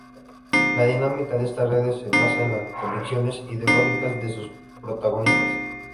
La dinámica de estas redes se basa en las convicciones ideológicas de sus protagonistas.